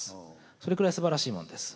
それくらいすばらしいもんです。